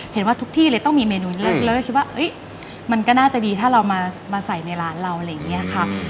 เห็นว่าทุกที่เลยต้องมีเมนูแรกเราก็คิดว่ามันก็น่าจะดีถ้าเรามาใส่ในร้านเราอะไรอย่างนี้ค่ะ